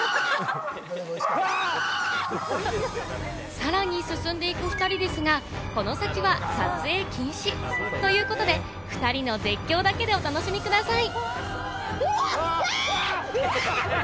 さらに進んでいく２人ですが、この先は撮影禁止。ということで、２人の絶叫だけでお楽しみください。